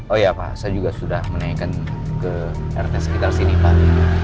oh iya pak saya juga sudah menaikkan ke rt sekitar sini pak